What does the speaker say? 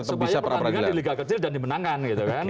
supaya pertandingan di liga kecil dan dimenangkan